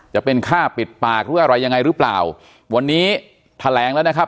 จะเป็นค่าปิดปากหรืออะไรยังไงหรือเปล่าวันนี้แถลงแล้วนะครับ